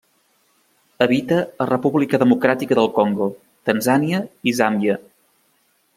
Habita a República Democràtica del Congo, Tanzània i Zàmbia.